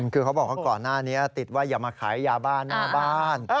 คือเขาบอกว่าก่อนหน้านี้ติดว่าอย่ามาขายยาบ้านหน้าบ้าน